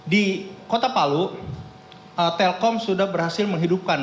di kota palu telkom sudah berhasil menghidupkan